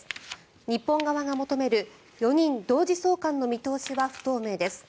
日本側が求める４人同時送還の見通しは不透明です。